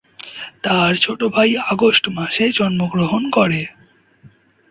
তার ছোট ভাই আগস্ট মাসে জন্মগ্রহণ করে।